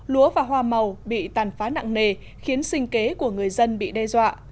lúa và hoa màu bị tàn phá nặng nề khiến sinh kế của người dân bị đe dọa